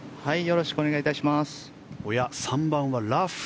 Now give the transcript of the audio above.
おや、３番はラフ。